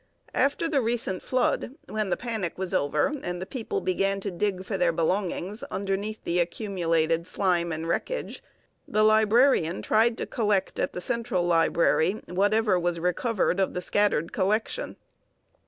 After the recent flood,(4) when the panic was over and the people began to dig for their belongings underneath the accumulated slime and wreckage, the librarian tried to collect at the central library whatever was recovered of the scattered collection.